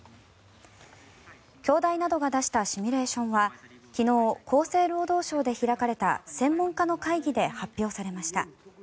京大などが出したシミュレーションは昨日、厚生労働省で開かれた専門家の会議で発表されました。